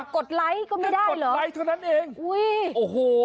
กดไลค์ก็ไม่ได้เหรอแค่กดไลค์เท่านั้นเองโอ้โห